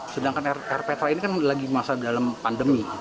sedangkan rptra ini kan lagi masa dalam pandemi